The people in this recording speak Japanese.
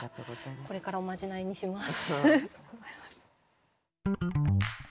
これからおまじないにします。